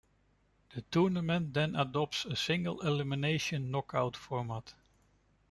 The tournament then adopts a single-elimination knockout format.